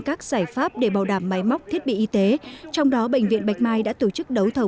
các giải pháp để bảo đảm máy móc thiết bị y tế trong đó bệnh viện bạch mai đã tổ chức đấu thầu